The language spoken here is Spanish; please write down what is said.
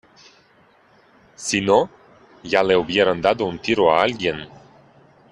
si no, ya le hubieran dado un tiro a alguien.